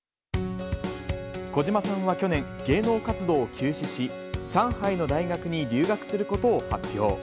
小島さんは去年、芸能活動を休止し、上海の大学に留学することを発表。